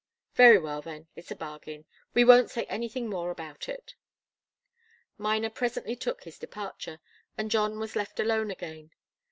"Very well, then. It's a bargain. We won't say anything more about it." Miner presently took his departure, and John was left alone again.